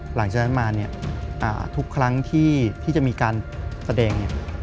หลังจากนั้นมาทุกครั้งที่จะมีการแสดง